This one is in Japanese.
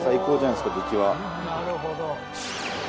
「なるほど」